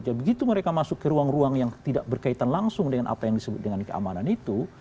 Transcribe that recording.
jadi begitu mereka masuk ke ruang ruang yang tidak berkaitan langsung dengan apa yang disebut dengan keamanan itu